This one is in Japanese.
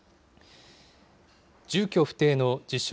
住居不定の自称